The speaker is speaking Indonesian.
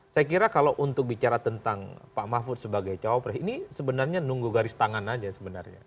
saya kira kalau untuk bicara tentang pak mahfud sebagai cawapres ini sebenarnya nunggu garis tangan saja sebenarnya